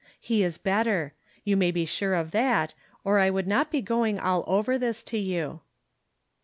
He is better. You may be sure of that, or I would not be going all over this to you.